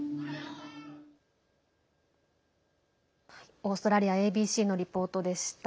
オーストラリアＡＢＣのリポートでした。